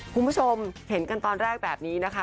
คุณผู้ชมเห็นกันตอนแรกแบบนี้นะคะ